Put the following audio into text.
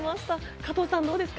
加藤さん、どうですか？